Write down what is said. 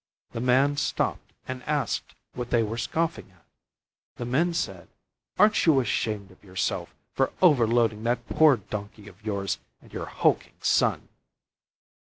The Man stopped and asked what they were scoffing at. The men said: "Aren't you ashamed of yourself for overloading that poor donkey of yours and your hulking son?"